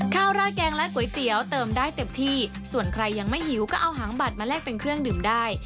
ราดแกงและก๋วยเตี๋ยวเติมได้เต็มที่ส่วนใครยังไม่หิวก็เอาหางบัตรมาแลกเป็นเครื่องดื่มได้